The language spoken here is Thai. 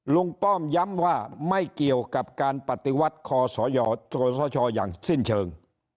ป้อมย้ำว่าไม่เกี่ยวกับการปฏิวัติคอสชอย่างสิ้นเชิง